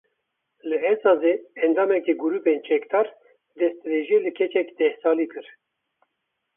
Li Ezazê endamekî grûpên çekdar destdirêjî li keçeke deh salî kir.